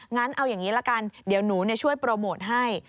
งั้นเอาอย่างนี้ละกันเดี๋ยวหนูช่วยโปรโมทให้